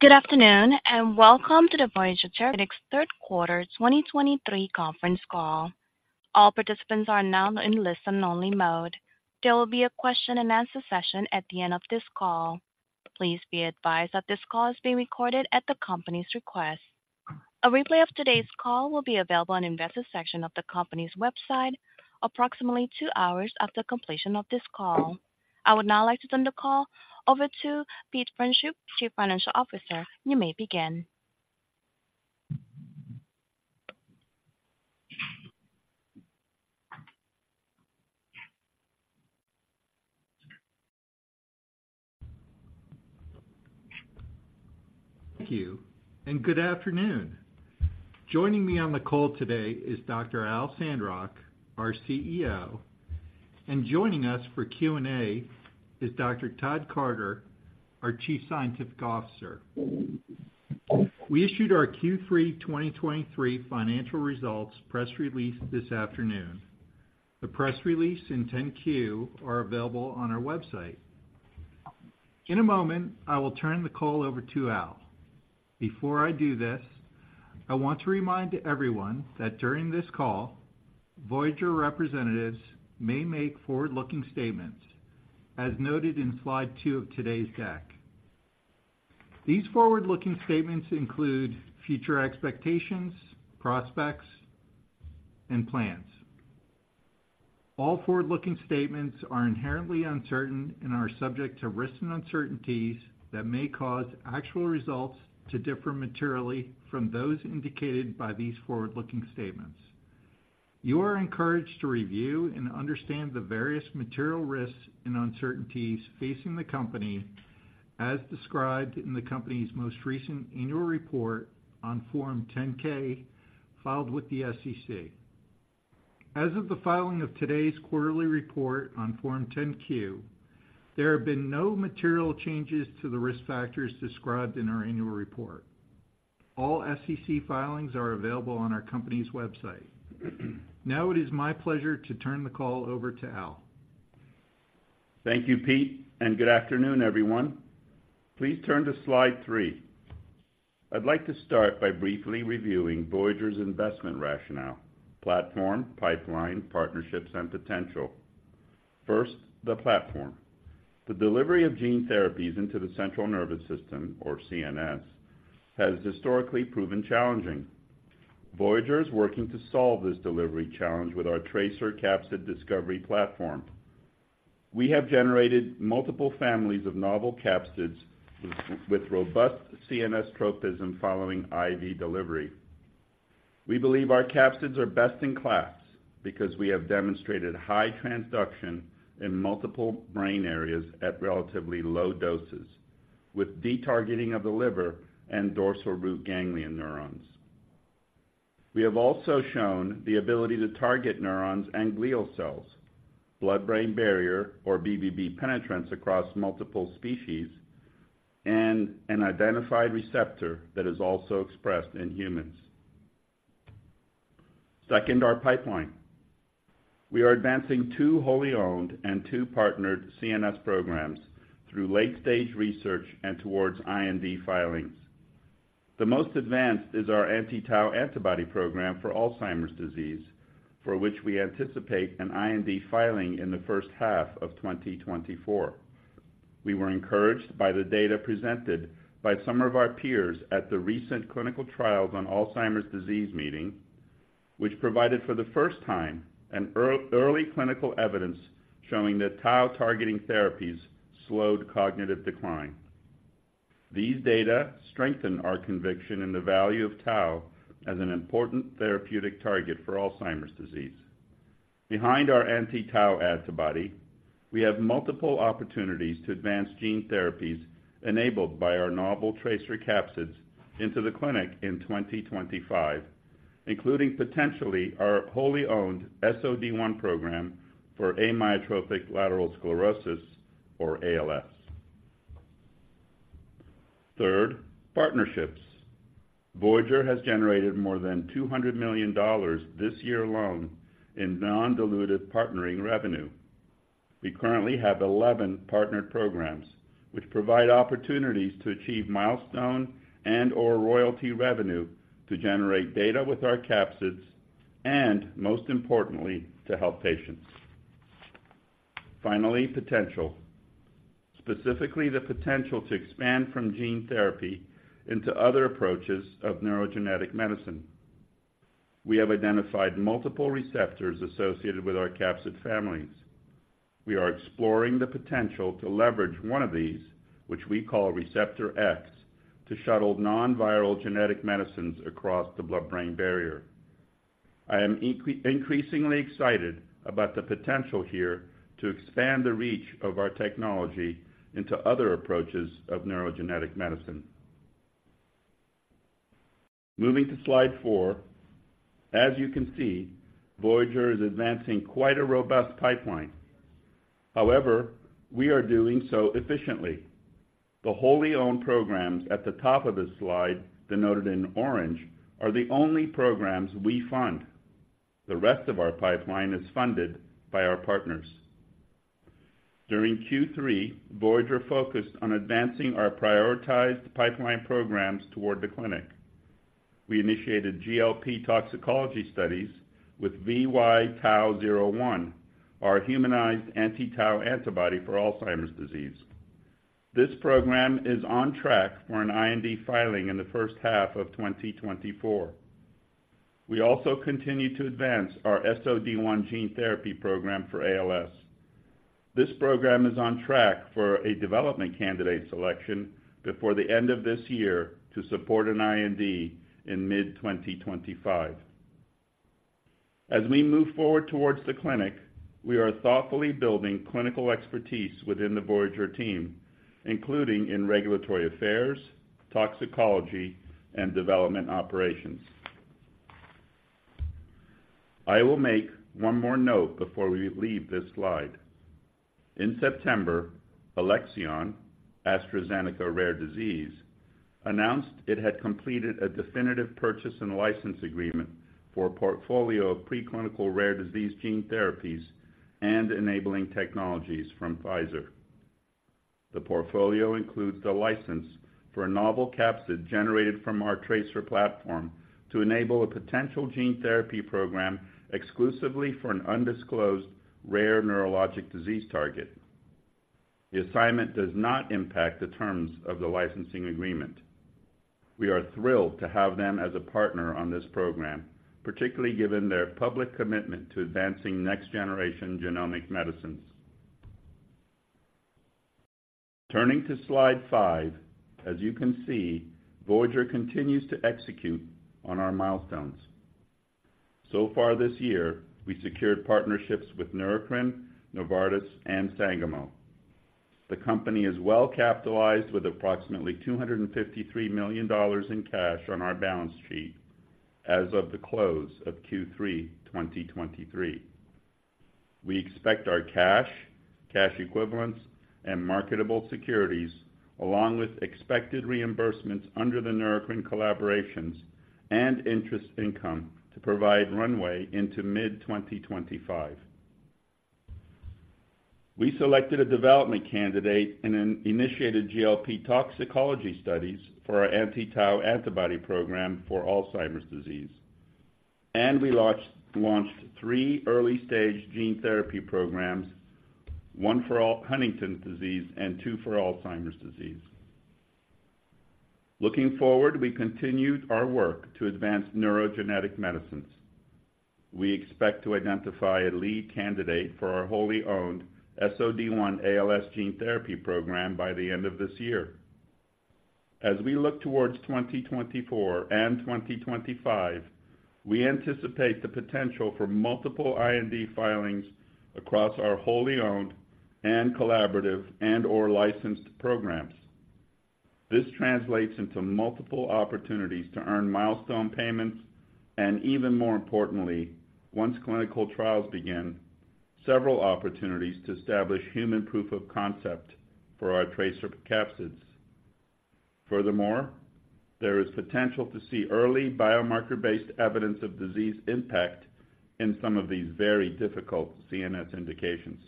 Good afternoon, and welcome to the Voyager Therapeutics third quarter 2023 Conference Call. All participants are now in listen-only mode. There will be a question-and-answer session at the end of this call. Please be advised that this call is being recorded at the company's request. A replay of today's call will be available on investor section of the company's website approximately two hours after completion of this call. I would now like to turn the call over to Pete Pfreundschuh, Chief Financial Officer. You may begin. Thank you, and good afternoon. Joining me on the call today is Dr. Al Sandrock, our CEO, and joining us for Q&A is Dr. Todd Carter, our Chief Scientific Officer. We issued our Q3 2023 financial results press release this afternoon. The press release and 10-Q are available on our website. In a moment, I will turn the call over to Al. Before I do this, I want to remind everyone that during this call, Voyager representatives may make forward-looking statements, as noted in slide two of today's deck. These forward-looking statements include future expectations, prospects, and plans. All forward-looking statements are inherently uncertain and are subject to risks and uncertainties that may cause actual results to differ materially from those indicated by these forward-looking statements. You are encouraged to review and understand the various material risks and uncertainties facing the company, as described in the company's most recent annual report on Form 10-K, filed with the SEC. As of the filing of today's quarterly report on Form 10-Q, there have been no material changes to the risk factors described in our annual report. All SEC filings are available on our company's website. Now it is my pleasure to turn the call over to Al. Thank you, Pete, and good afternoon, everyone. Please turn to slide three. I'd like to start by briefly reviewing Voyager's investment rationale, platform, pipeline, partnerships, and potential. First, the platform. The delivery of gene therapies into the central nervous system, or CNS, has historically proven challenging. Voyager is working to solve this delivery challenge with our TRACER capsid discovery platform. We have generated multiple families of novel capsids with robust CNS tropism following IV delivery. We believe our capsids are best-in-class because we have demonstrated high transduction in multiple brain areas at relatively low doses, with detargeting of the liver and dorsal root ganglion neurons. We have also shown the ability to target neurons and glial cells, blood-brain barrier, or BBB penetrance across multiple species, and an identified receptor that is also expressed in humans. Second, our pipeline. We are advancing two wholly owned and two partnered CNS programs through late-stage research and towards IND filings. The most advanced is our anti-tau antibody program for Alzheimer's disease, for which we anticipate an IND filing in the first half of 2024. We were encouraged by the data presented by some of our peers at the recent Clinical Trials on Alzheimer's Disease meeting, which provided for the first time an early clinical evidence showing that tau-targeting therapies slowed cognitive decline. These data strengthen our conviction in the value of tau as an important therapeutic target for Alzheimer's disease. Behind our anti-tau antibody, we have multiple opportunities to advance gene therapies enabled by our novel tracer capsids into the clinic in 2025, including potentially our wholly owned SOD1 program for amyotrophic lateral sclerosis, or ALS. Third, partnerships. Voyager has generated more than $200 million this year alone in non-diluted partnering revenue. We currently have 11 partnered programs, which provide opportunities to achieve milestone and/or royalty revenue to generate data with our capsids, and most importantly, to help patients. Finally, potential. Specifically, the potential to expand from gene therapy into other approaches of neurogenetic medicine. We have identified multiple receptors associated with our capsid families. We are exploring the potential to leverage one of these, which we call Receptor X, to shuttle non-viral genetic medicines across the blood-brain barrier. I am increasingly excited about the potential here to expand the reach of our technology into other approaches of neurogenetic medicine. Moving to slide 4. As you can see, Voyager is advancing quite a robust pipeline. However, we are doing so efficiently. The wholly owned programs at the top of this slide, denoted in orange, are the only programs we fund. The rest of our pipeline is funded by our partners. During Q3, Voyager focused on advancing our prioritized pipeline programs toward the clinic. We initiated GLP toxicology studies with VY-TAU-01, our humanized anti-tau antibody for Alzheimer's disease. This program is on track for an IND filing in the first half of 2024. We also continued to advance our SOD1 gene therapy program for ALS. This program is on track for a development candidate selection before the end of this year to support an IND in mid-2025. As we move forward toward the clinic, we are thoughtfully building clinical expertise within the Voyager team, including in regulatory affairs, toxicology, and development operations. I will make one more note before we leave this slide. In September, Alexion, AstraZeneca Rare Disease, announced it had completed a definitive purchase and license agreement for a portfolio of preclinical rare disease gene therapies and enabling technologies from Pfizer. The portfolio includes the license for a novel capsid generated from our TRACER platform to enable a potential gene therapy program exclusively for an undisclosed rare neurologic disease target. The assignment does not impact the terms of the licensing agreement. We are thrilled to have them as a partner on this program, particularly given their public commitment to advancing next-generation genomic medicines. Turning to slide five, as you can see, Voyager continues to execute on our milestones. So far this year, we secured partnerships with Neurocrine, Novartis, and Sangamo. The company is well capitalized with approximately $253 million in cash on our balance sheet as of the close of Q3 2023. We expect our cash, cash equivalents, and marketable securities, along with expected reimbursements under the Neurocrine collaborations and interest income, to provide runway into mid-2025. We selected a development candidate and then initiated GLP toxicology studies for our anti-tau antibody program for Alzheimer's disease. We launched three early-stage gene therapy programs, one for Huntington's disease and two for Alzheimer's disease. Looking forward, we continued our work to advance neurogenetic medicines. We expect to identify a lead candidate for our wholly owned SOD1 ALS gene therapy program by the end of this year. As we look towards 2024 and 2025, we anticipate the potential for multiple IND filings across our wholly owned and collaborative and/or licensed programs. This translates into multiple opportunities to earn milestone payments, and even more importantly, once clinical trials begin, several opportunities to establish human proof of concept for our TRACER capsids. Furthermore, there is potential to see early biomarker-based evidence of disease impact in some of these very difficult CNS indications.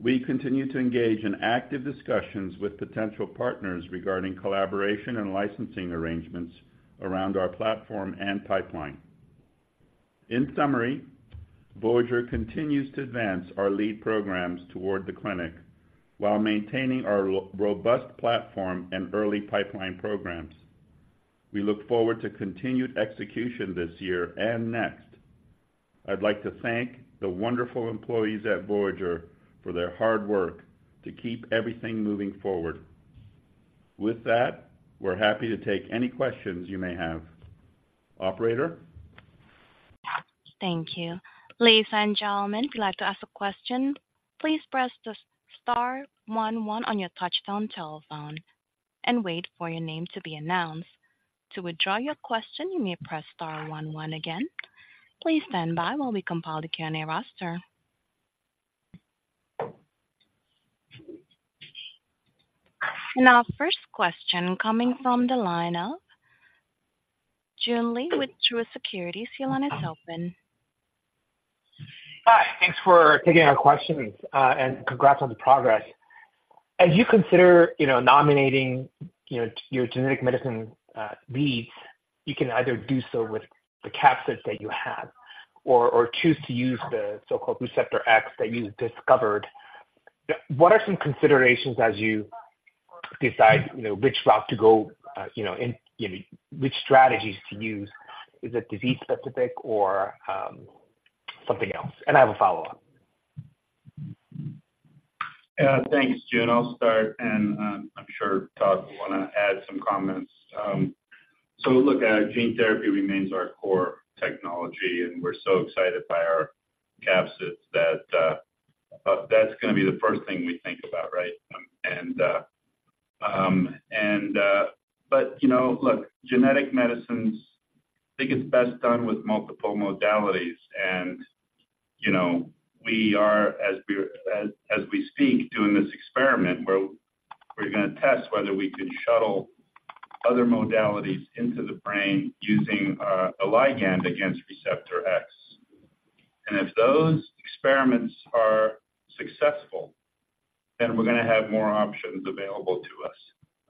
We continue to engage in active discussions with potential partners regarding collaboration and licensing arrangements around our platform and pipeline. In summary, Voyager continues to advance our lead programs toward the clinic while maintaining our robust platform and early pipeline programs. We look forward to continued execution this year and next. I'd like to thank the wonderful employees at Voyager for their hard work to keep everything moving forward. With that, we're happy to take any questions you may have. Operator? Thank you. Ladies and gentlemen, if you'd like to ask a question, please press the star one one on your touchtone telephone and wait for your name to be announced. To withdraw your question, you may press star one one again. Please stand by while we compile the Q&A roster. Our first question coming from the line of Joon Lee with Truist Securities. Your line is open. Hi, thanks for taking our questions, and congrats on the progress. As you consider, you know, nominating, you know, your genetic medicine leads, you can either do so with the capsids that you have or choose to use the so-called Receptor X that you discovered. What are some considerations as you decide, you know, which route to go, you know, and which strategies to use? Is it disease-specific or something else? And I have a follow-up. Yeah, thanks, Jun. I'll start, and I'm sure Todd will wanna add some comments. So look, gene therapy remains our core technology, and we're so excited by our capsids that that's gonna be the first thing we think about, right? But you know, look, genetic medicines, I think it's best done with multiple modalities. And you know, we are, as we speak, doing this experiment where we're gonna test whether we can shuttle... other modalities into the brain using a ligand against Receptor X. And if those experiments are successful, then we're gonna have more options available to us.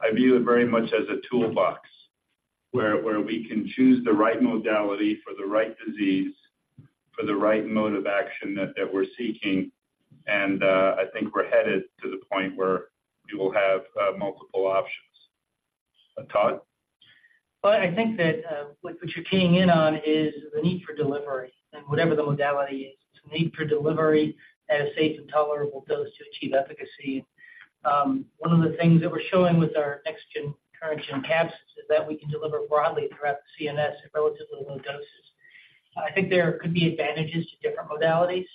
I view it very much as a toolbox, where, where we can choose the right modality for the right disease, for the right mode of action that, that we're seeking, and I think we're headed to the point where we will have multiple options. Todd? Well, I think that what you're keying in on is the need for delivery and whatever the modality is, the need for delivery at a safe and tolerable dose to achieve efficacy. One of the things that we're showing with our next-gen current gen caps is that we can deliver broadly throughout the CNS at relatively low doses. I think there could be advantages to different modalities.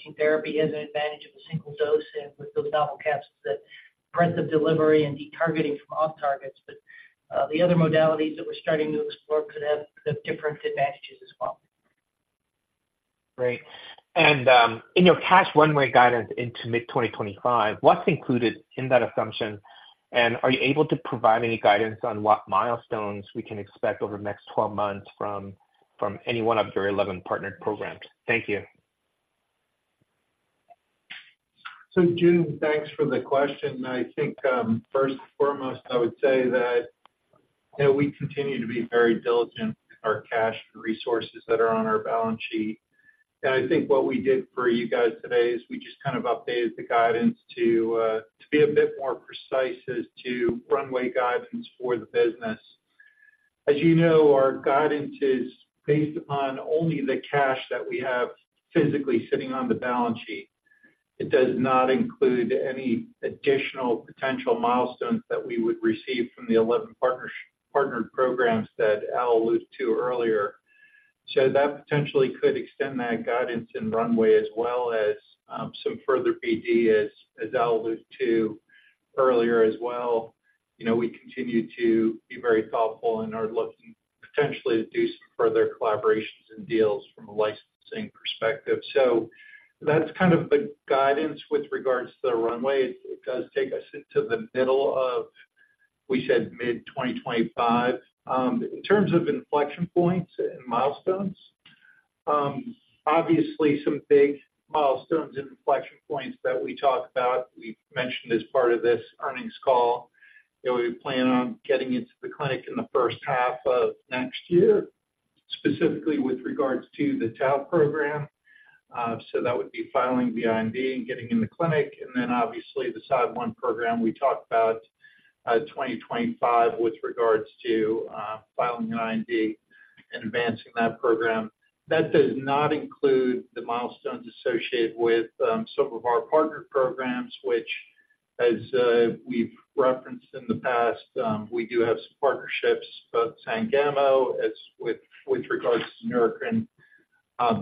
Gene therapy is an advantage of a single dose, and with those novel capsules, that breadth of delivery and de-targeting from off targets. But the other modalities that we're starting to explore could have different advantages as well. Great. And, in your cash runway guidance into mid-2025, what's included in that assumption? And are you able to provide any guidance on what milestones we can expect over the next 12 months from any one of your 11 partnered programs? Thank you. So, Jun, thanks for the question. I think, first and foremost, I would say that, that we continue to be very diligent with our cash resources that are on our balance sheet. And I think what we did for you guys today is we just kind of updated the guidance to, to be a bit more precise as to runway guidance for the business. As you know, our guidance is based upon only the cash that we have physically sitting on the balance sheet. It does not include any additional potential milestones that we would receive from the 11 partnership- partnered programs that Al alluded to earlier. So that potentially could extend that guidance and runway as well as, some further PD, as, as Al alluded to earlier as well. You know, we continue to be very thoughtful and are looking potentially to do some further collaborations and deals from a licensing perspective. So that's kind of the guidance with regards to the runway. It does take us into the middle of, we said, mid-2025. In terms of inflection points and milestones, obviously some big milestones and inflection points that we talked about. We've mentioned as part of this earnings call, that we plan on getting into the clinic in the first half of next year, specifically with regards to the tau program. So that would be filing the IND and getting in the clinic, and then obviously the SOD1 program we talked about, 2025 with regards to, filing an IND and advancing that program. That does not include the milestones associated with some of our partner programs, which as we've referenced in the past, we do have some partnerships, both Sangamo, as with, with regards to Neurocrine.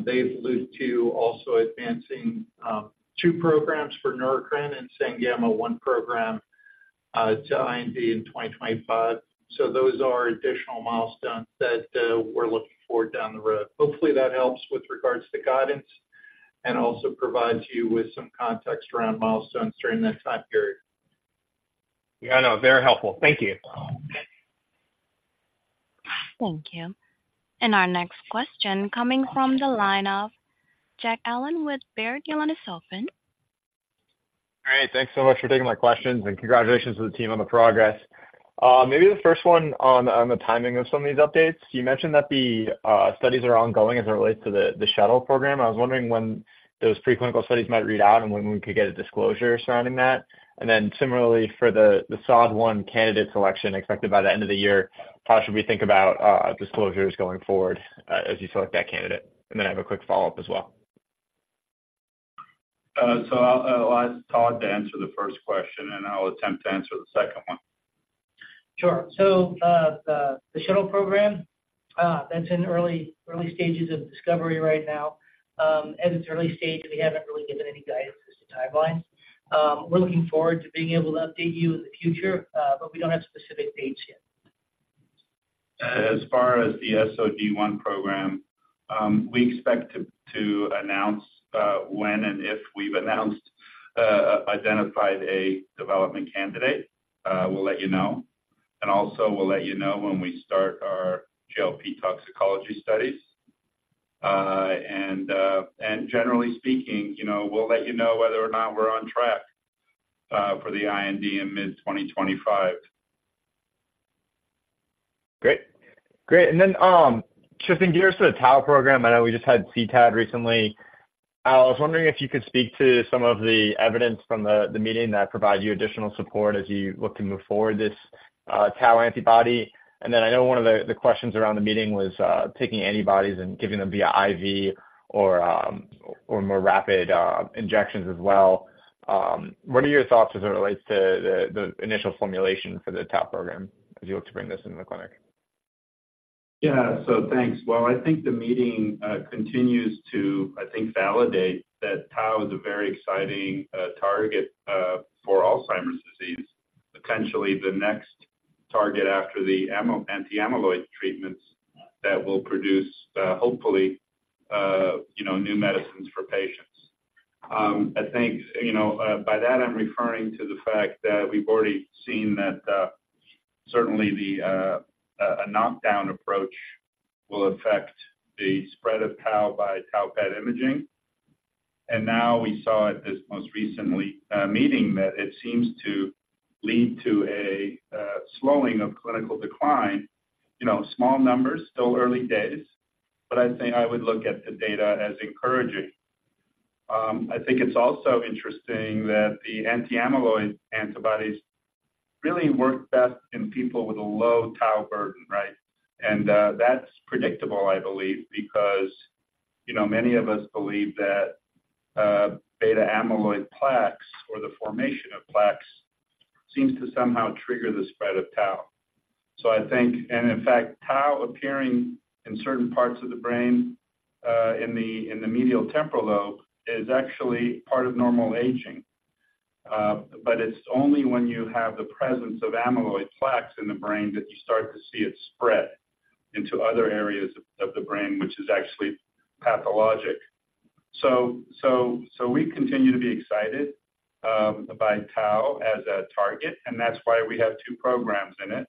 They've alluded to also advancing two programs for Neurocrine and Sangamo, one program to IND in 2025. So those are additional milestones that we're looking for down the road. Hopefully, that helps with regards to guidance and also provides you with some context around milestones during that time period. Yeah, I know. Very helpful. Thank you. Thank you. And our next question coming from the line of Jack Allen with Baird. Your line is open. Great, thanks so much for taking my questions and congratulations to the team on the progress. Maybe the first one on the timing of some of these updates. You mentioned that the studies are ongoing as it relates to the shuttle program. I was wondering when those preclinical studies might read out and when we could get a disclosure surrounding that. And then similarly for the SOD1 candidate selection expected by the end of the year, how should we think about disclosures going forward as you select that candidate? And then I have a quick follow-up as well. I'll ask Todd to answer the first question, and I'll attempt to answer the second one. Sure. So, the shuttle program, that's in early stages of discovery right now. At its early stage, we haven't really given any guidance as to timelines. We're looking forward to being able to update you in the future, but we don't have specific dates yet. As far as the SOD1 program, we expect to announce when and if we've identified a development candidate, we'll let you know. And also, we'll let you know when we start our GLP toxicology studies. And generally speaking, you know, we'll let you know whether or not we're on track for the IND in mid-2025. Great. Great, and then, shifting gears to the tau program, I know we just had CTAD recently. Al, I was wondering if you could speak to some of the evidence from the meeting that provided you additional support as you look to move forward this tau antibody. And then I know one of the questions around the meeting was taking antibodies and giving them via IV or more rapid injections as well. What are your thoughts as it relates to the initial formulation for the tau program as you look to bring this into the clinic? Yeah. So thanks. Well, I think the meeting continues to validate that tau is a very exciting target for Alzheimer's disease. Potentially the next target after the anti-amyloid treatments that will produce, hopefully, you know, new medicines for patients. I think, you know, by that, I'm referring to the fact that we've already seen that certainly a knockdown approach will affect the spread of tau by tau PET imaging. And now we saw at this most recent meeting that it seems to lead to a slowing of clinical decline, you know, small numbers, still early days, but I think I would look at the data as encouraging. I think it's also interesting that the anti-amyloid antibodies really work best in people with a low tau burden, right? That's predictable, I believe, because, you know, many of us believe that beta amyloid plaques or the formation of plaques seems to somehow trigger the spread of tau. So I think, and in fact, tau appearing in certain parts of the brain, in the medial temporal lobe is actually part of normal aging. But it's only when you have the presence of amyloid plaques in the brain that you start to see it spread into other areas of the brain, which is actually pathologic. So we continue to be excited by tau as a target, and that's why we have two programs in it.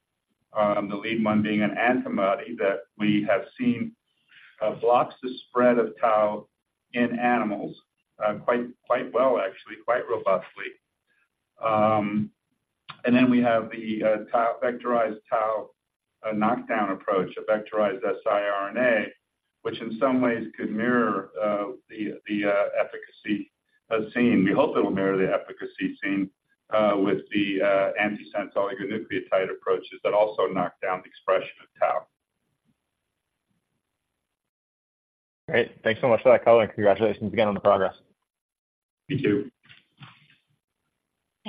The lead one being an antibody that we have seen blocks the spread of tau in animals quite well, actually, quite robustly. And then we have the tau vectorized tau, a knockdown approach, a vectorized siRNA, which in some ways could mirror the efficacy seen. We hope it will mirror the efficacy seen with the antisense oligonucleotide approaches that also knock down the expression of tau. Great. Thanks so much for that color, and congratulations again on the progress. Thank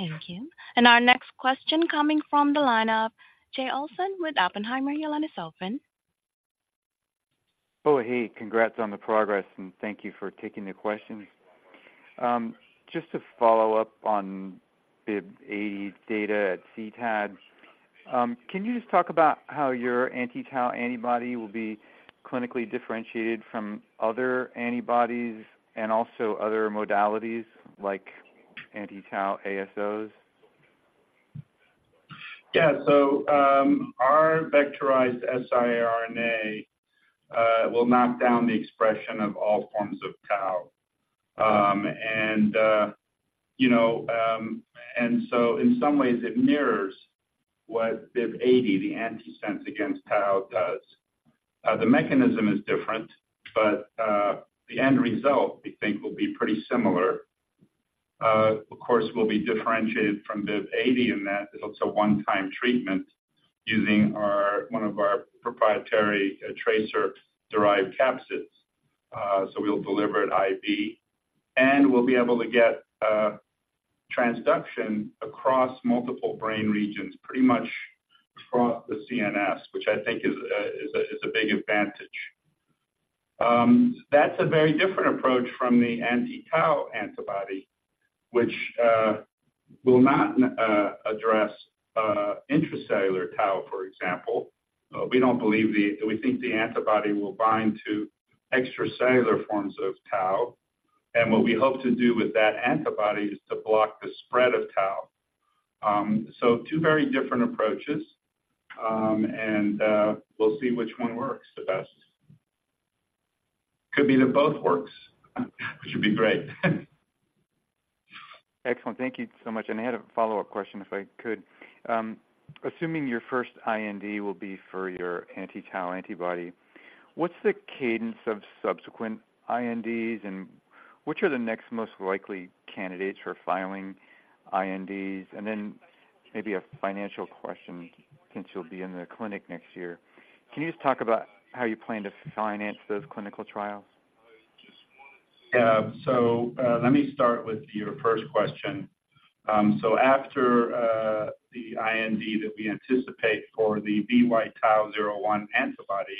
you. Thank you. And our next question coming from the line of Jay Olson with Oppenheimer. Your line is open. Oh, hey, congrats on the progress, and thank you for taking the questions. Just to follow up on the BIIB080 data at CTAD, can you just talk about how your anti-tau antibody will be clinically differentiated from other antibodies and also other modalities like anti-tau ASOs? Yeah. So, our vectorized siRNA will knock down the expression of all forms of tau. And, you know, and so in some ways it mirrors what BIIB080, the antisense against tau, does. The mechanism is different, but the end result, we think, will be pretty similar. Of course, we'll be differentiated from BIIB080 in that it's a one-time treatment using our one of our proprietary TRACER-derived capsids. So we'll deliver it IV, and we'll be able to get transduction across multiple brain regions, pretty much across the CNS, which I think is a big advantage. That's a very different approach from the anti-tau antibody, which will not address intracellular tau, for example. We think the antibody will bind to extracellular forms of tau, and what we hope to do with that antibody is to block the spread of tau. So two very different approaches, and we'll see which one works the best. Could be that both works, which would be great. Excellent. Thank you so much. And I had a follow-up question, if I could. Assuming your first IND will be for your anti-tau antibody, what's the cadence of subsequent INDs, and which are the next most likely candidates for filing INDs? And then maybe a financial question, since you'll be in the clinic next year. Can you just talk about how you plan to finance those clinical trials? Yeah. So, let me start with your first question. So after the IND that we anticipate for the VY-TAU01 antibody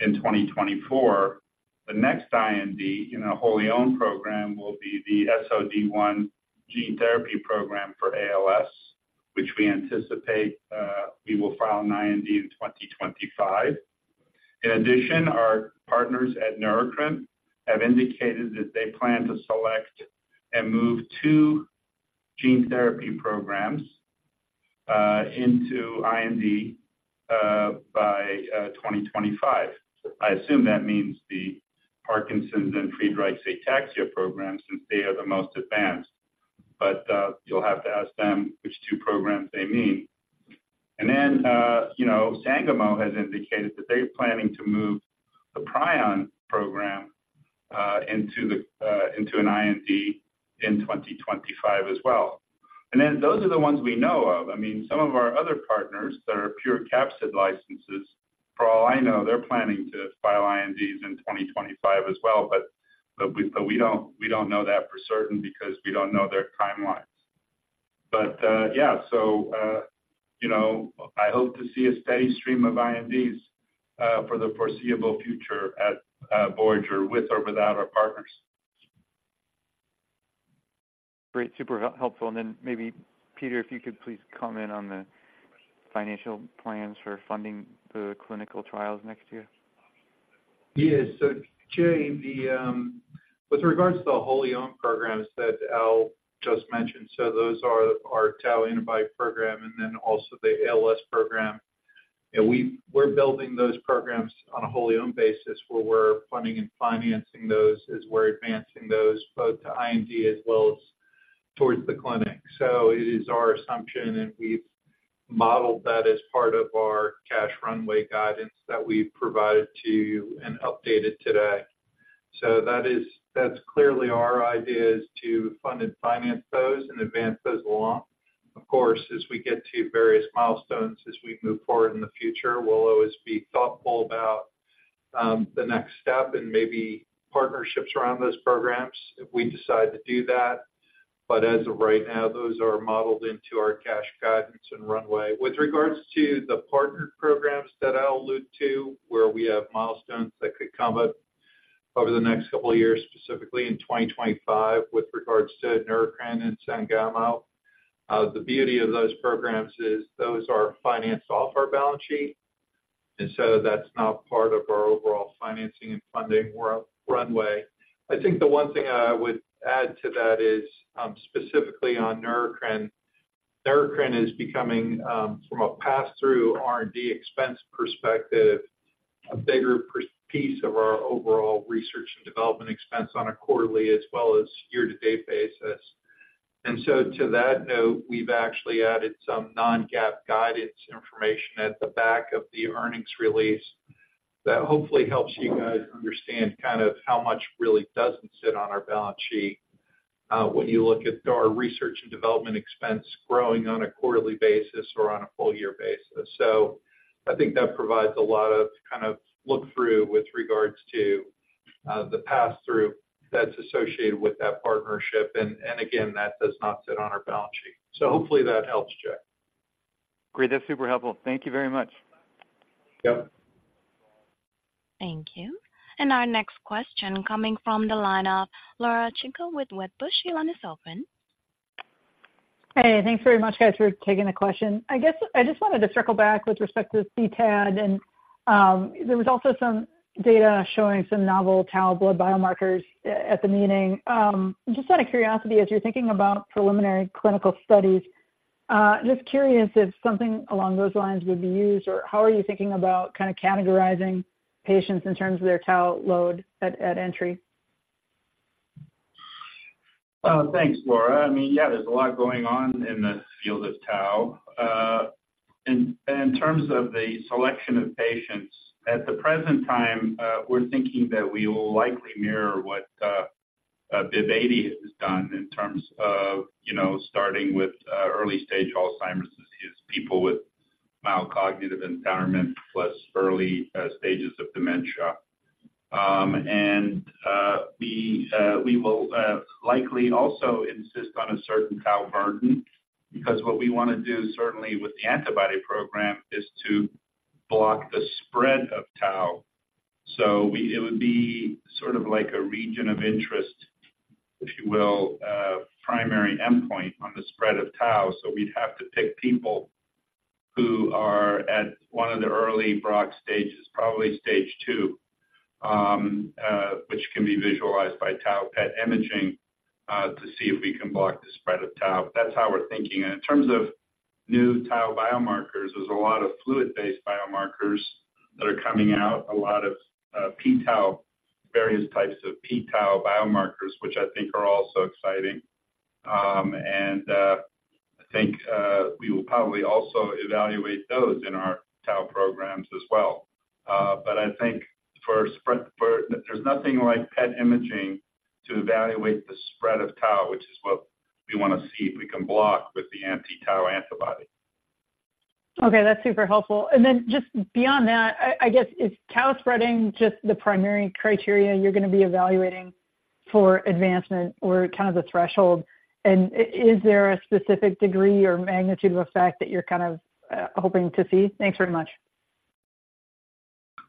in 2024, the next IND in a wholly owned program will be the SOD1 gene therapy program for ALS, which we anticipate, we will file an IND in 2025. In addition, our partners at Neurocrine have indicated that they plan to select and move two gene therapy programs into IND by 2025. I assume that means the Parkinson's and Friedreich's ataxia programs, since they are the most advanced. But you'll have to ask them which two programs they mean. And then, you know, Sangamo has indicated that they're planning to move the prion program into an IND in 2025 as well. And then those are the ones we know of. I mean, some of our other partners that are pure capsid licenses, for all I know, they're planning to file INDs in 2025 as well, but we don't know that for certain because we don't know their timelines. But yeah, so you know, I hope to see a steady stream of INDs for the foreseeable future at Voyager, with or without our partners.... Great, super helpful. And then maybe Peter, if you could please comment on the financial plans for funding the clinical trials next year. Yes. So Jay, with regards to the wholly owned programs that Al just mentioned, so those are our tau antibody program and then also the ALS program. And we're building those programs on a wholly owned basis, where we're funding and financing those as we're advancing those both to IND as well as towards the clinic. So it is our assumption, and we've modeled that as part of our cash runway guidance that we've provided to you and updated today. So that is that's clearly our idea, is to fund and finance those and advance those along. Of course, as we get to various milestones as we move forward in the future, we'll always be thoughtful about the next step and maybe partnerships around those programs if we decide to do that. But as of right now, those are modeled into our cash guidance and runway. With regards to the partnered programs that I'll allude to, where we have milestones that could come up over the next couple of years, specifically in 2025, with regards to Neurocrine and Sangamo, the beauty of those programs is those are financed off our balance sheet, and so that's not part of our overall financing and funding or runway. I think the one thing I would add to that is, specifically on Neurocrine. Neurocrine is becoming, from a pass-through R&D expense perspective, a bigger piece of our overall research and development expense on a quarterly as well as year-to-date basis. And so to that note, we've actually added some non-GAAP guidance information at the back of the earnings release that hopefully helps you guys understand kind of how much really doesn't sit on our balance sheet, when you look at our research and development expense growing on a quarterly basis or on a full year basis. So I think that provides a lot of kind of look through with regards to, the pass-through that's associated with that partnership, and, and again, that does not sit on our balance sheet. So hopefully that helps, Jay. Great. That's super helpful. Thank you very much. Yep. Thank you. Our next question coming from the line of Laura Činko with Wedbush. Your line is open. Hey, thanks very much, guys, for taking the question. I guess I just wanted to circle back with respect to CTAD, and there was also some data showing some novel tau blood biomarkers at, at the meeting. Just out of curiosity, as you're thinking about preliminary clinical studies, just curious if something along those lines would be used, or how are you thinking about kind of categorizing patients in terms of their tau load at, at entry? Well, thanks, Laura. I mean, yeah, there's a lot going on in the field of tau. In terms of the selection of patients, at the present time, we're thinking that we will likely mirror what Biogen has done in terms of, you know, starting with early stage Alzheimer's disease, people with mild cognitive impairment plus early stages of dementia. And we will likely also insist on a certain tau burden, because what we wanna do, certainly with the antibody program, is to block the spread of tau. So it would be sort of like a region of interest, if you will, primary endpoint on the spread of tau. So we'd have to pick people who are at one of the early broad stages, probably stage two, which can be visualized by tau PET imaging, to see if we can block the spread of tau. That's how we're thinking. And in terms of new tau biomarkers, there's a lot of fluid-based biomarkers that are coming out, a lot of, p-tau, various types of p-tau biomarkers, which I think are also exciting. And, I think, we will probably also evaluate those in our tau programs as well. But I think for spread, there's nothing like PET imaging to evaluate the spread of tau, which is what we wanna see if we can block with the anti-tau antibody. Okay, that's super helpful. And then just beyond that, I guess, is tau spreading just the primary criteria you're gonna be evaluating for advancement or kind of the threshold? And is there a specific degree or magnitude of effect that you're kind of hoping to see? Thanks very much.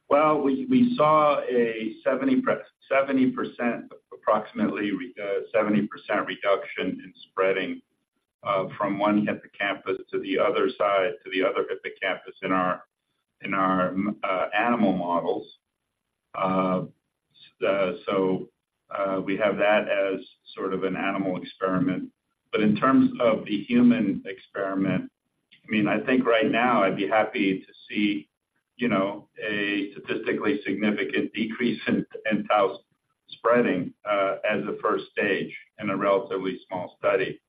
Well, we saw a 70%--70%, approximately, 70% reduction in spreading from one hippocampus to the other side, to the other hippocampus in our animal models. So we have that as sort of an animal experiment. But in terms of the human experiment, I mean, I think right now I'd be happy to see, you know, a statistically significant decrease in tau spreading as a first stage in a relatively small study.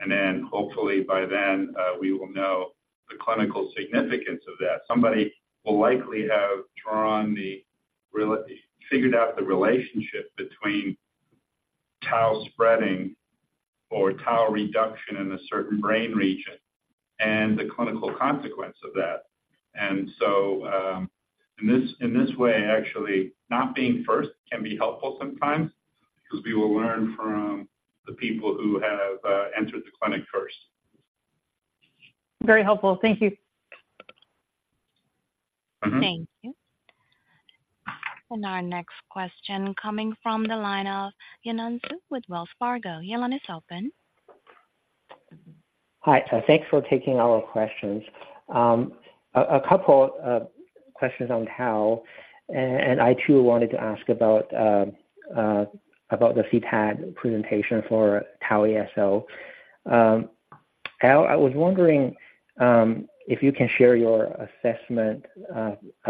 And then hopefully by then we will know the clinical significance of that. Somebody will likely have figured out the relationship between tau spreading or tau reduction in a certain brain region and the clinical consequence of that. And so, in this way, actually, not being first can be helpful sometimes because we will learn from the people who have entered the clinic first. Very helpful. Thank you.... Thank you. Our next question coming from the line of Yanan zhu with Wells Fargo. Yanan, it's open. Hi. Thanks for taking our questions. A couple of questions on tau, and I too wanted to ask about the CTAD presentation for tau ASO. Al, I was wondering if you can share your assessment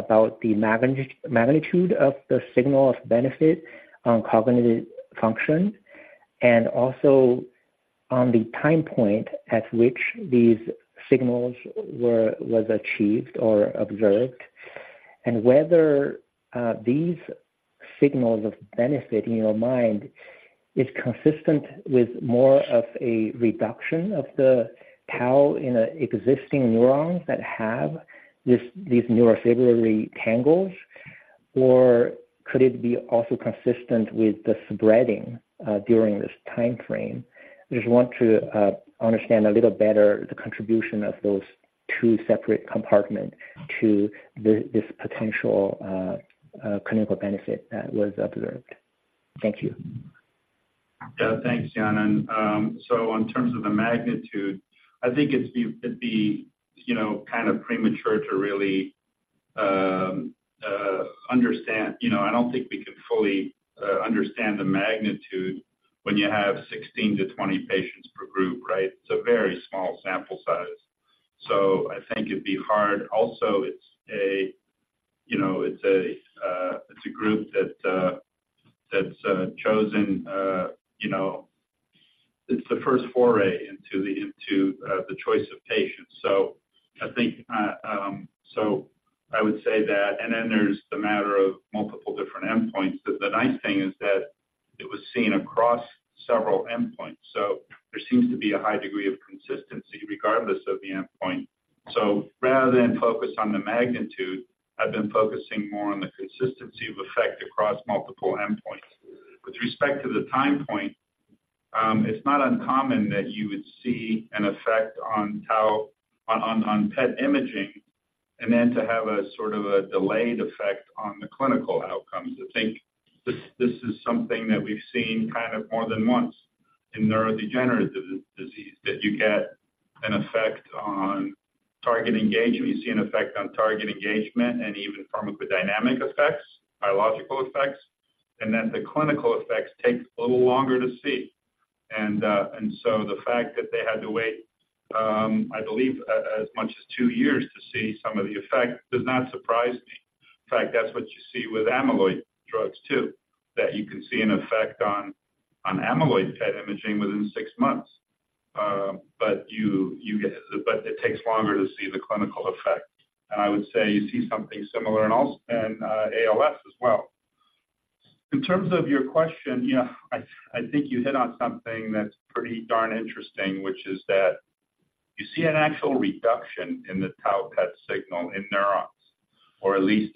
about the magnitude of the signal of benefit on cognitive function, and also on the time point at which these signals was achieved or observed, and whether these signals of benefit in your mind is consistent with more of a reduction of the tau in existing neurons that have these neurofibrillary tangles, or could it be also consistent with the spreading during this time frame? I just want to understand a little better the contribution of those two separate compartments to this potential clinical benefit that was observed. Thank you. Yeah. Thanks, Yanan. So in terms of the magnitude, I think it'd be, you know, kind of premature to really understand. You know, I don't think we can fully understand the magnitude when you have 16-20 patients per group, right? It's a very small sample size. So I think it'd be hard. Also, it's a, you know, it's a group that's chosen, you know It's the first foray into the choice of patients. So I think, so I would say that, and then there's the matter of multiple different endpoints. But the nice thing is that it was seen across several endpoints, so there seems to be a high degree of consistency regardless of the endpoint. So rather than focus on the magnitude, I've been focusing more on the consistency of effect across multiple endpoints. With respect to the time point, it's not uncommon that you would see an effect on tau on PET imaging and then to have a sort of a delayed effect on the clinical outcomes. I think this is something that we've seen kind of more than once in neurodegenerative disease, that you get an effect on target engagement, you see an effect on target engagement and even pharmacodynamic effects, biological effects, and then the clinical effects take a little longer to see. And so the fact that they had to wait, I believe as much as two years to see some of the effect does not surprise me. In fact, that's what you see with amyloid drugs, too, that you can see an effect on amyloid PET imaging within six months. But it takes longer to see the clinical effect. And I would say you see something similar in ALS as well. In terms of your question, yeah, I think you hit on something that's pretty darn interesting, which is that you see an actual reduction in the tau PET signal in neurons, or at least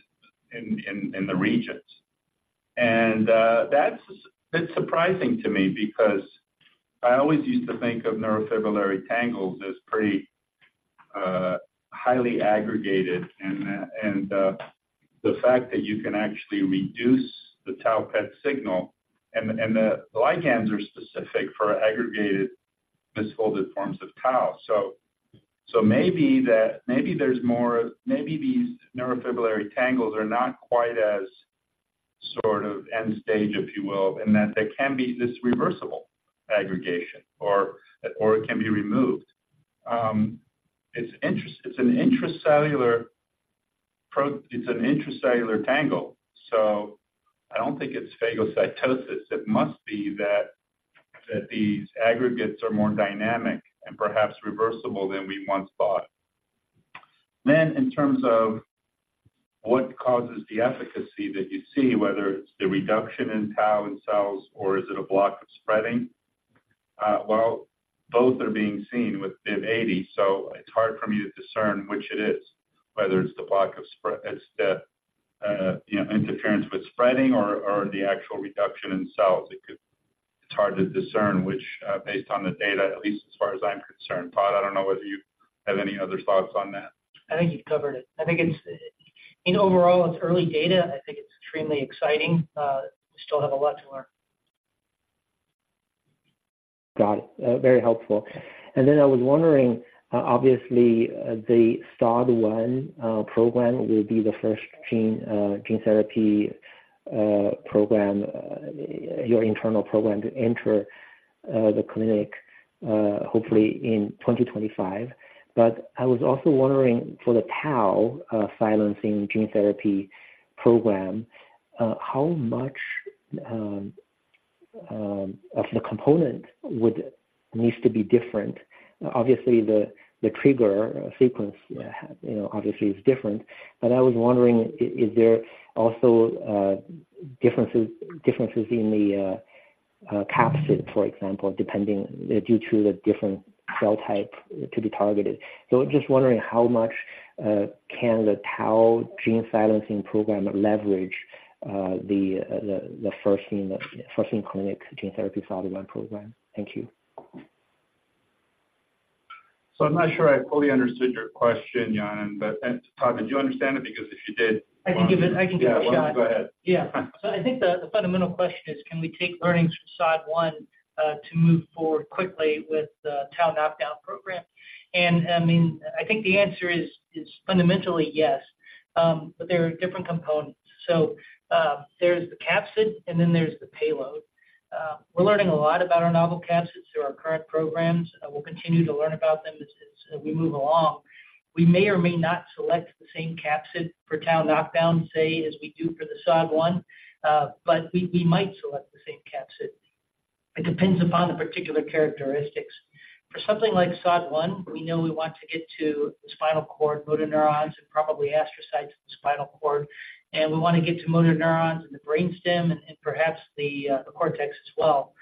in the regions. And that's surprising to me because I always used to think of neurofibrillary tangles as pretty highly aggregated, and the fact that you can actually reduce the tau PET signal, and the ligands are specific for aggregated misfolded forms of tau. So, maybe there's more, maybe these neurofibrillary tangles are not quite as sort of end stage, if you will, and that there can be this reversible aggregation or, or it can be removed. It's an intracellular tangle, so I don't think it's phagocytosis. It must be that these aggregates are more dynamic and perhaps reversible than we once thought. Then in terms of what causes the efficacy that you see, whether it's the reduction in tau in cells, or is it a block of spreading? Well, both are being seen with BIIB080, so it's hard for me to discern which it is, whether it's the block of spread, it's the, you know, interference with spreading or, or the actual reduction in cells. It could... It's hard to discern which, based on the data, at least as far as I'm concerned. Todd, I don't know whether you have any other thoughts on that? I think you've covered it. I think it's, you know, overall, it's early data. I think it's extremely exciting. We still have a lot to learn. Got it. Very helpful. And then I was wondering, obviously, the SOD1 program will be the first gene therapy program, your internal program to enter the clinic, hopefully in 2025. But I was also wondering for the tau silencing gene therapy program, how much of the component would needs to be different? Obviously, the trigger sequence, you know, obviously is different, but I was wondering, is there also differences in the capsid, for example, depending due to the different cell type to be targeted? So just wondering how much can the tau gene silencing program leverage the first in clinic gene therapy SOD1 program? Thank you.... So I'm not sure I fully understood your question, Yanan, but Todd, did you understand it? Because if you did- I can give it a shot. Yeah, why don't you go ahead? Yeah. So I think the fundamental question is, can we take learnings from SOD1 to move forward quickly with the tau knockdown program? And, I mean, I think the answer is fundamentally yes, but there are different components. So, there's the capsid, and then there's the payload. We're learning a lot about our novel capsids through our current programs, and we'll continue to learn about them as we move along. We may or may not select the same capsid for tau knockdown, say, as we do for the SOD1, but we might select the same capsid. It depends upon the particular characteristics. For something like SOD1, we know we want to get to the spinal cord, motor neurons, and probably astrocytes in the spinal cord, and we want to get to motor neurons in the brain stem and perhaps the cortex as well.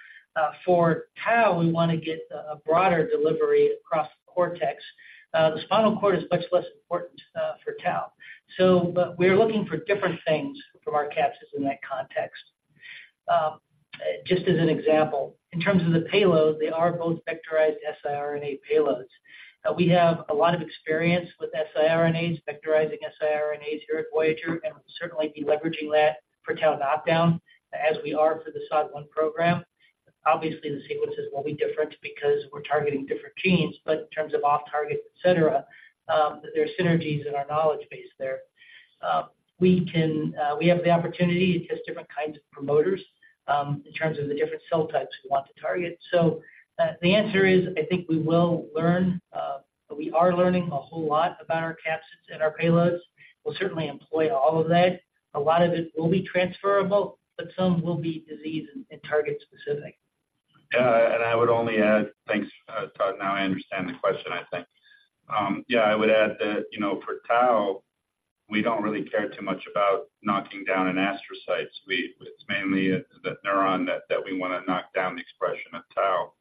For tau, we want to get a broader delivery across the cortex. The spinal cord is much less important for tau. So but we're looking for different things from our capsids in that context. Just as an example, in terms of the payload, they are both vectorized siRNA payloads. We have a lot of experience with siRNAs, vectorizing siRNAs here at Voyager, and we'll certainly be leveraging that for tau knockdown as we are for the SOD1 program. Obviously, the sequences will be different because we're targeting different genes, but in terms of off-target, et cetera, there are synergies in our knowledge base there. We can, we have the opportunity to test different kinds of promoters, in terms of the different cell types we want to target. So, the answer is, I think we will learn, but we are learning a whole lot about our capsids and our payloads. We'll certainly employ all of that. A lot of it will be transferable, but some will be disease and, and target-specific. Yeah, and I would only add, thanks, Todd, now I understand the question, I think. Yeah, I would add that, you know, for tau, we don't really care too much about knocking down in astrocytes. It's mainly the neuron that we wanna knock down the expression of tau.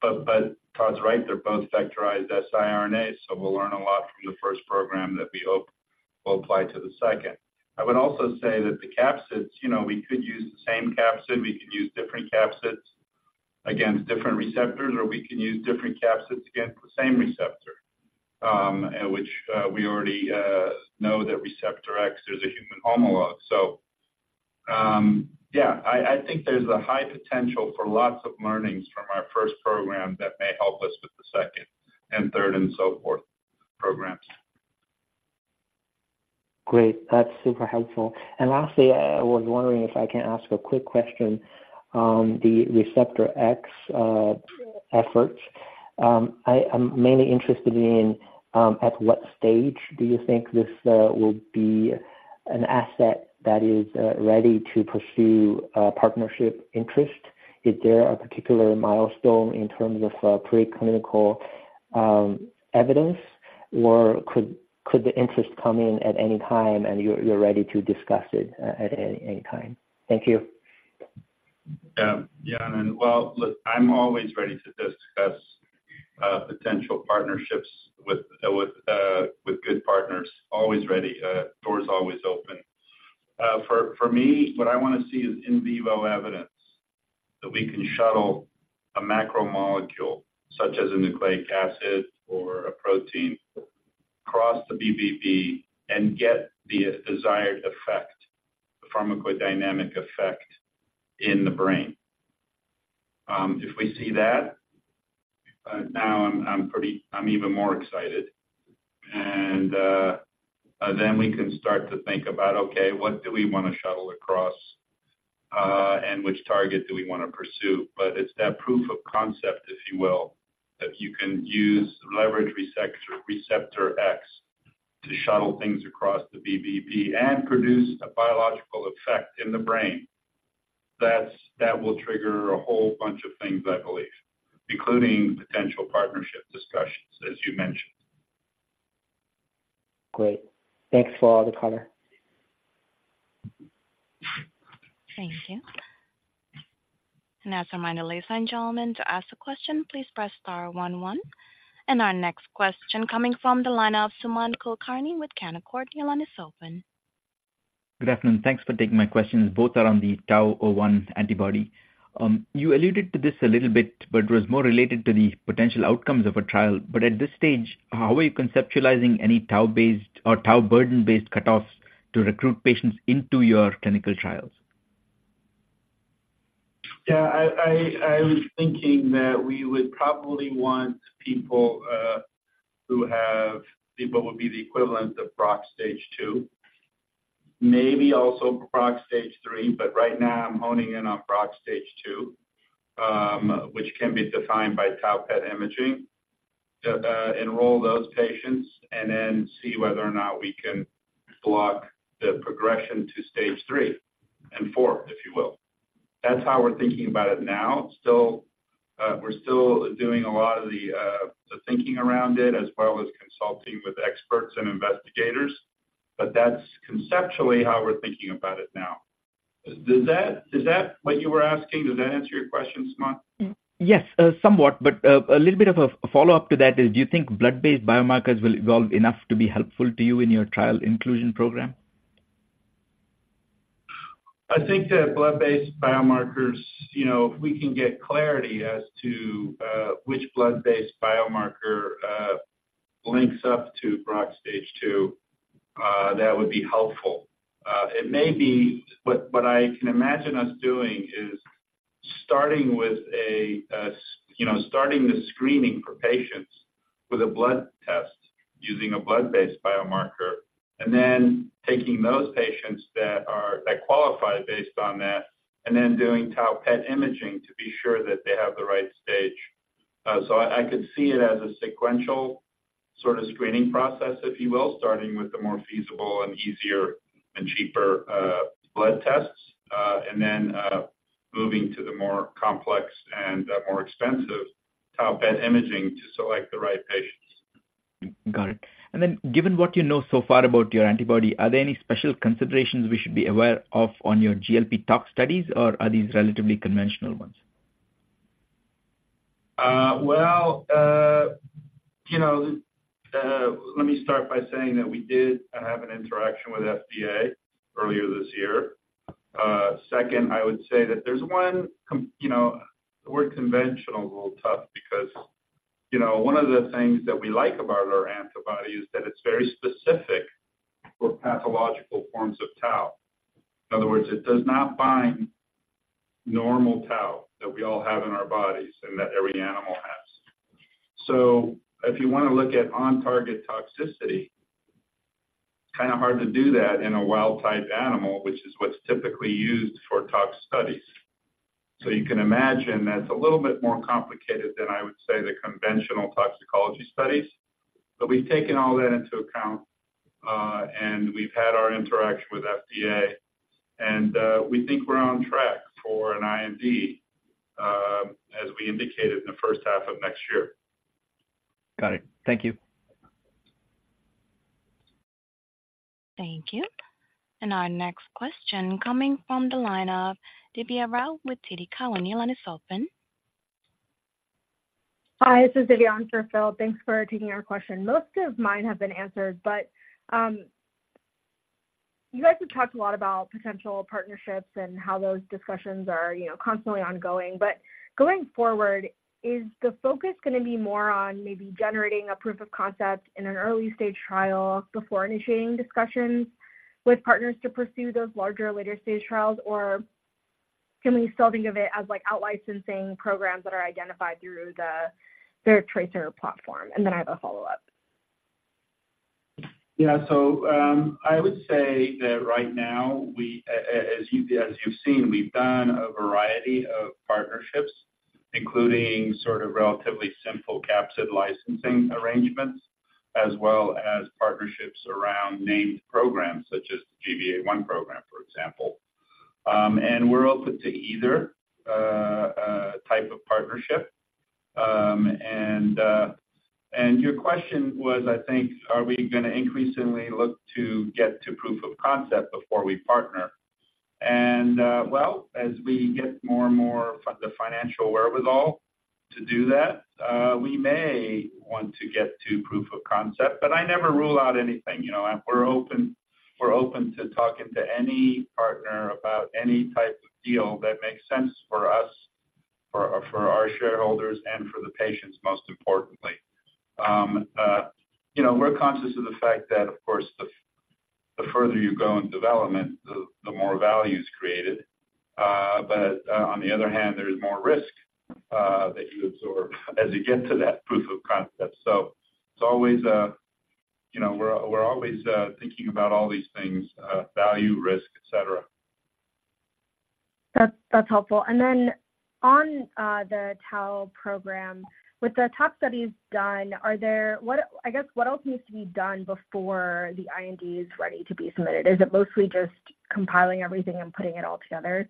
But Todd's right, they're both vectorized siRNAs, so we'll learn a lot from the first program that we hope will apply to the second. I would also say that the capsids, you know, we could use the same capsid, we could use different capsids against different receptors, or we can use different capsids against the same receptor, and which we already know that Receptor X, there's a human homologue. Yeah, I think there's a high potential for lots of learnings from our first program that may help us with the second, and third, and so forth programs. Great. That's super helpful. And lastly, I was wondering if I can ask a quick question on the Receptor X effort. I am mainly interested in at what stage do you think this will be an asset that is ready to pursue partnership interest? Is there a particular milestone in terms of preclinical evidence, or could the interest come in at any time, and you're ready to discuss it at any time? Thank you. Yeah. Yeah, and well, look, I'm always ready to discuss potential partnerships with good partners. Always ready, door is always open. For me, what I wanna see is in vivo evidence that we can shuttle a macromolecule, such as a nucleic acid or a protein, across the BBB and get the desired effect, the pharmacodynamic effect in the brain. If we see that, now I'm even more excited. And then we can start to think about, okay, what do we wanna shuttle across and which target do we wanna pursue? But it's that proof of concept, if you will, that you can use to leverage receptor, receptor X to shuttle things across the BBB and produce a biological effect in the brain. That will trigger a whole bunch of things, I believe, including potential partnership discussions, as you mentioned. Great. Thanks for all the color. Thank you. As a reminder, ladies and gentlemen, to ask a question, please press star one, one. Our next question coming from the line of Suman Kulkarni with Canaccord. Your line is open. Good afternoon. Thanks for taking my questions. Both are on the tau-01 antibody. You alluded to this a little bit, but it was more related to the potential outcomes of a trial. At this stage, how are you conceptualizing any tau-based or tau burden-based cutoffs to recruit patients into your clinical trials? Yeah, I was thinking that we would probably want people who have what would be the equivalent of Braak stage two, maybe also Braak stage three, but right now I'm honing in on Braak stage two, which can be defined by tau PET imaging, enroll those patients and then see whether or not we can block the progression to stage three and four, if you will. That's how we're thinking about it now. Still, we're still doing a lot of the thinking around it, as well as consulting with experts and investigators, but that's conceptually how we're thinking about it now. Does that, does that what you were asking, does that answer your question, Suman? Yes, somewhat, but, a little bit of a follow-up to that is, do you think blood-based biomarkers will evolve enough to be helpful to you in your trial inclusion program?... I think that blood-based biomarkers, you know, if we can get clarity as to which blood-based biomarker links up to Braak stage two, that would be helpful. It may be what I can imagine us doing is starting with a, you know, starting the screening for patients with a blood test using a blood-based biomarker, and then taking those patients that qualify based on that, and then doing tau PET imaging to be sure that they have the right stage. So I could see it as a sequential sort of screening process, if you will, starting with the more feasible and easier and cheaper, blood tests, and then, moving to the more complex and, more expensive tau PET imaging to select the right patients. Got it. And then, given what you know so far about your antibody, are there any special considerations we should be aware of on your GLP tox studies, or are these relatively conventional ones? Well, you know, let me start by saying that we did have an interaction with FDA earlier this year. Second, I would say that there's—you know, the word conventional is a little tough because, you know, one of the things that we like about our antibody is that it's very specific for pathological forms of tau. In other words, it does not bind normal tau that we all have in our bodies and that every animal has. So if you want to look at on-target toxicity, it's kind of hard to do that in a wild-type animal, which is what's typically used for tox studies. So you can imagine that's a little bit more complicated than I would say, the conventional toxicology studies. We've taken all that into account, and we've had our interaction with FDA, and we think we're on track for an IND, as we indicated in the first half of next year. Got it. Thank you. Thank you. Our next question coming from the line of Divya Rao with TD Cowen. Your line is open. Hi, this is Divya Rao. Thanks for taking our question. Most of mine have been answered, but you guys have talked a lot about potential partnerships and how those discussions are, you know, constantly ongoing. But going forward, is the focus gonna be more on maybe generating a proof of concept in an early-stage trial before initiating discussions with partners to pursue those larger later-stage trials? Or can we still think of it as like, out licensing programs that are identified through the TRACER platform? And then I have a follow-up. Yeah. So, I would say that right now, as you've seen, we've done a variety of partnerships, including sort of relatively simple capsid licensing arrangements, as well as partnerships around named programs such as the GBA1 program, for example. And we're open to either type of partnership. And your question was, I think, are we gonna increasingly look to get to proof of concept before we partner? And well, as we get more and more of the financial wherewithal to do that, we may want to get to proof of concept, but I never rule out anything, you know. We're open, we're open to talking to any partner about any type of deal that makes sense for us, for our shareholders, and for the patients, most importantly. You know, we're conscious of the fact that, of course, the further you go in development, the more value is created. But on the other hand, there's more risk that you absorb as you get to that proof of concept. So it's always, you know, we're always thinking about all these things, value, risk, et cetera. That's, that's helpful. And then on the tau program, with the tox studies done, are there what, I guess, what else needs to be done before the IND is ready to be submitted? Is it mostly just compiling everything and putting it all together?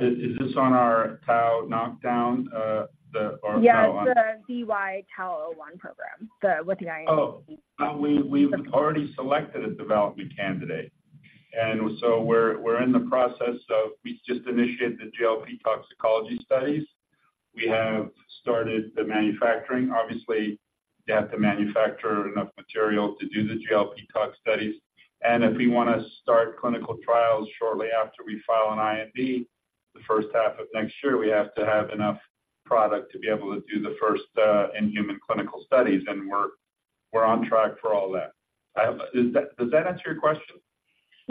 Is this on our tau knockdown or tau- Yeah, it's the VY-TAU01 program, the one with the IND. We've already selected a development candidate, and so we're in the process of; we just initiated the GLP toxicology studies. We have started the manufacturing. Obviously, you have to manufacture enough material to do the GLP tox studies. And if we want to start clinical trials shortly after we file an IND the first half of next year, we have to have enough product to be able to do the first in-human clinical studies, and we're on track for all that. Does that answer your question?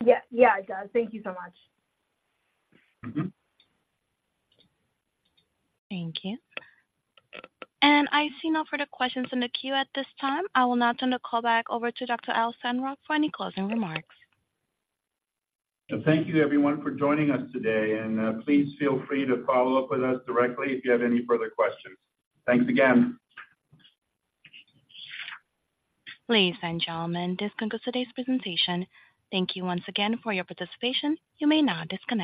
Yeah, yeah, it does. Thank you so much. Mm-hmm. Thank you. I see no further questions in the queue at this time. I will now turn the call back over to Dr. Al Sandrock for any closing remarks. Thank you, everyone, for joining us today, and please feel free to follow up with us directly if you have any further questions. Thanks again. Ladies and gentlemen, this concludes today's presentation. Thank you once again for your participation. You may now disconnect.